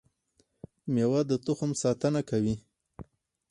میوه د تخم ساتنه کوي